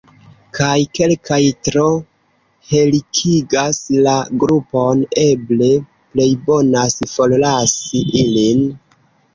Kaj kelkaj tro helikigas la grupon: eble plejbonas forlasi ilin?